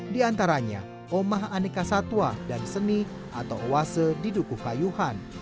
di antaranya omah aneka satwa dan seni atau oase di dukuh kayuhan